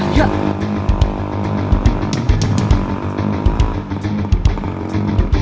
umi gempa umi